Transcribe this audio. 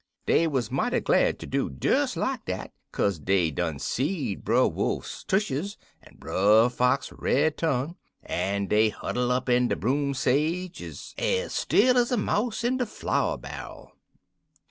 Dey wuz mighty glad ter do des like dis, kaz dey done seed Brer Wolf tushes, en Brer Fox red tongue, en dey huddle up in de broom sage ez still ez a mouse in de flour bar'l.